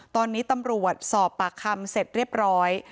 ตอนนี้ตำรวจสอบปากคำเสร็จเรียบร้อย